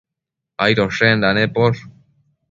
Aidoshenda neposh